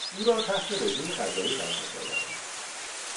او را تحت رژیم غذایی قرار دادند.